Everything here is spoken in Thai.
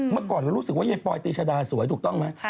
เมื่อก่อนเรารู้สึกว่ายายปอยตีชดาสวยถูกต้องไหม